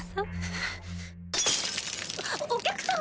お客様！